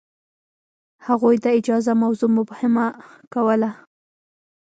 هغوی د اجازه موضوع مبهمه کوله.